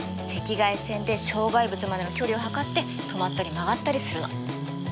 赤外線で障害物までの距離を測って止まったり曲がったりするの。